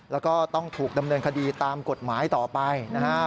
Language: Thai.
แล้วก็ต้องถูกดำเนินคดีตามกฎหมายต่อไปนะฮะ